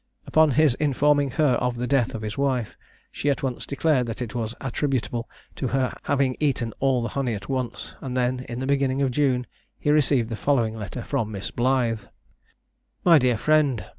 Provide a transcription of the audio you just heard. Upon his informing her of the death of his wife, she at once declared that it was attributable to her having eaten all the honey at once, and then in the beginning of June, he received the following letter from Miss Blythe: "My dear Friend.